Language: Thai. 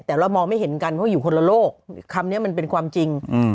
แต่เรามองไม่เห็นกันเพราะอยู่คนละโลกคำนี้มันเป็นความจริง